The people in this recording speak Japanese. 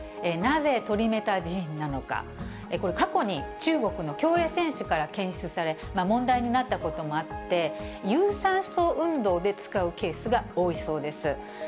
なぜトリメタジジンなのか、これ、過去に中国の競泳選手から検出され、問題になったこともあって、有酸素運動で使うケースが多いそうです。